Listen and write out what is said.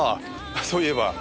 そういえば。